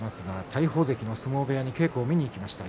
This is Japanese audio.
大鵬関の相撲部屋に稽古を見に行きました。